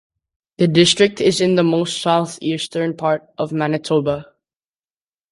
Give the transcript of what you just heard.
The district is in the most southeastern part of Manitoba.